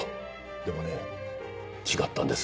でもね違ったんです。